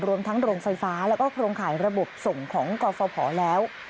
รวมทั้งโรงไฟฟ้าแล้วก็โครงข่ายระบบส่งของกฟภแล้ว